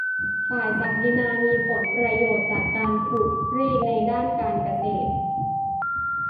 ฝ่ายศักดินามีผลประโยชน์จากการขูดรีดในด้านการเกษตร